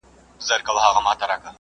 که د دغو ځایونو ساتنه وشي، ښه به وي.